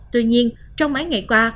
tuy nhiên trong mấy ngày qua